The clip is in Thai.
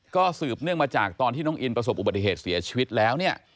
ก็สืบเนื่องมาจากตอนที่น้องอินประสบอุบัติเหตุเสียชีวิตแล้วเนี่ย